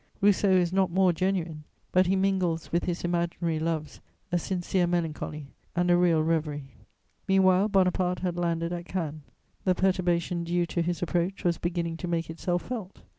Rousseau is not more genuine, but he mingles with his imaginary loves a sincere melancholy and a real reverie. Meanwhile, Bonaparte had landed at Cannes; the perturbation due to his approach was beginning to make itself felt.